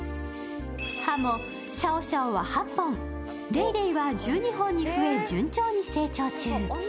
歯もシャオシャオは８本、レイレイは１２本に増え順調に成長中。